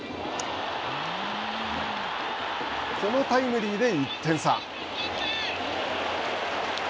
このタイムリーで１点差。